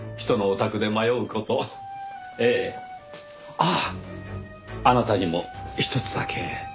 あっあなたにもひとつだけ。